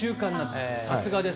さすがです。